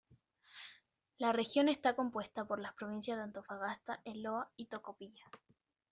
La región está compuesta por las provincias de Antofagasta, El Loa y Tocopilla.